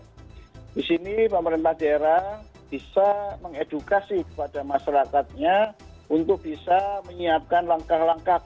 di sini pemerintah daerah bisa mengedukasi kepada masyarakatnya untuk bisa menyiapkan langkah langkah